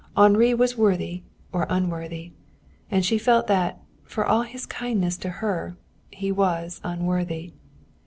Henri was worthy or unworthy. And she felt that, for all his kindness to her, he was unworthy.